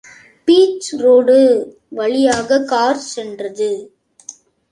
Beach road வழியாக car சென்றது.